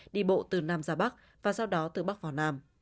đi bộ từ nam ra bắc và sau đó từ bắc vào nam